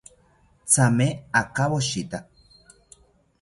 Thame akawoshita